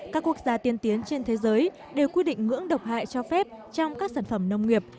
các quốc gia tiên tiến trên thế giới đều quy định ngưỡng độc hại cho phép trong các sản phẩm nông nghiệp